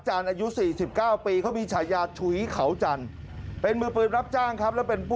ตอนนี้ก็ยิ่งแล้ว